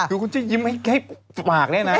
คือคุณจะยิ้มให้ปากได้นะ